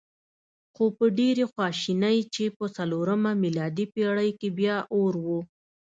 خو په ډېرې خواشینۍ چې په څلورمه میلادي پېړۍ کې بیا اور و.